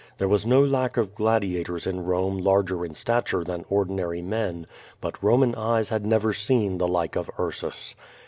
There was no lack of gladiators in Rome larger in stature than ordinary men, but Roman eyes liad never seen the like of Ursus.